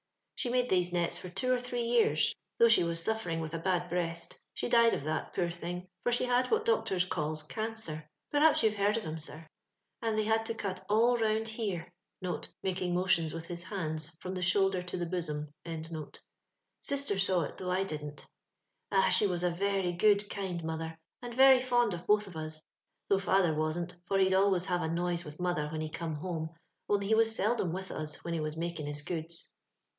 She made these nets for two or three years, thoagh she was suflbring with a bad breast ;— she died of that — poor thing! — for she had what doctors calls cancer — perhaps you*ve heard of *em, sir, — and they had to cut all round here (making motions with his hands from the shoulder to the bosom). Sister saw it, though I didn't. '* Ah ! she was a very good, kind mother, and veiy fond of botli of us ; though father wasn't, for He'd always have a noise with mother when he come home, only he was seldom with us when he was making his goods.